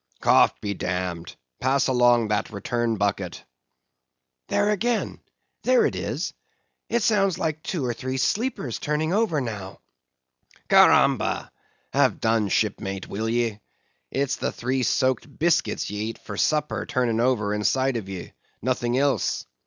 "Cough be damned! Pass along that return bucket." "There again—there it is!—it sounds like two or three sleepers turning over, now!" "Caramba! have done, shipmate, will ye? It's the three soaked biscuits ye eat for supper turning over inside of ye—nothing else.